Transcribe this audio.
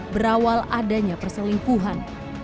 berawal adanya perselingkuhan